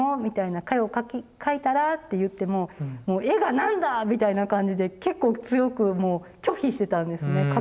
みたいな「絵を描いたら？」って言っても「絵が何だ！」みたいな感じで結構強く拒否してたんですね